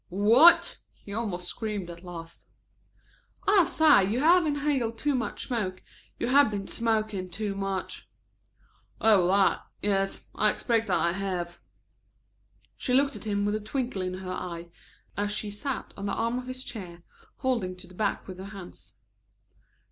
"What!" he almost screamed at last. "I say you have inhaled too much smoke. You have been smoking too much." "Oh, that. Yes, I expect I have." She looked at him with a twinkle in her eye as she sat on the arm of his chair, holding to the back with her hands.